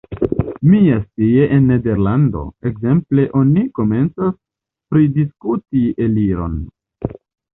Miascie en Nederlando, ekzemple, oni komencas pridiskuti eliron.